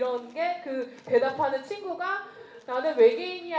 เราก็คิดคำแรกด้วย